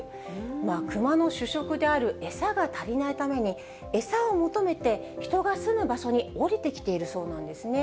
クマの主食である餌が足りないために、餌を求めて、人が住む場所に下りてきているそうなんですね。